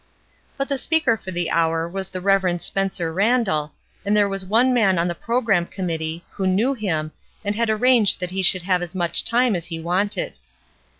But the speaker for the hour was the Rev. Spencer Randall, and there was one man on the programme committee who knew him, and had arranged that he should have as much time as he wanted.